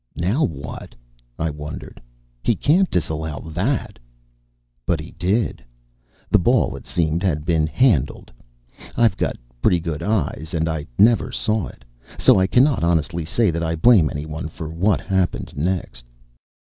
Now what? I wondered. He can't disallow that But he did. The ball, it seemed, had been handled. IVe got pretty good eyes and I never saw it. So I cannot honestly say that I blame anyone for what happened next.